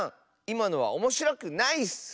いまのはおもしろくないッス。